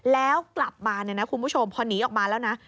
แล้วกลับมาคุณผู้ชมพอหนีออกมาแล้วนะ